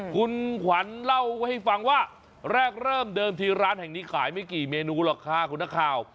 คุณขวัญเล่าให้ฟังว่าแรกเริ่มเดิมที่ร้านแห่งนี้ขายไม่กี่เมนูหรอกค่ะคุณนักข่าว